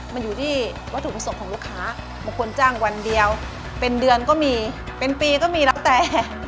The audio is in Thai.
มันอยู่ที่วัตถุประสงค์ของลูกค้าบางคนจ้างวันเดียวเป็นเดือนก็มีเป็นปีก็มีแล้วแต่